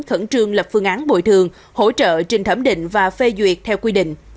khẩn trương lập phương án bồi thường hỗ trợ trình thẩm định và phê duyệt theo quy định